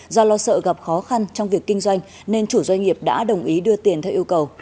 do lo sợ gặp khó khăn trong việc kinh doanh nên chủ doanh nghiệp đã đồng ý đưa tiền theo yêu cầu